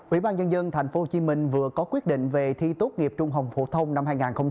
ủy ban nhân dân tp hcm vừa có quyết định về thi tốt nghiệp trung học phổ thông năm hai nghìn hai mươi